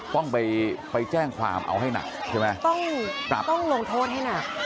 ต้องไปไปแจ้งความเอาให้หนักใช่ไหมต้องปรับต้องลงโทษให้หนัก